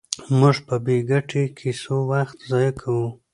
موږ په بې ګټې کیسو وخت ضایع کوو.